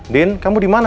din kamu dimana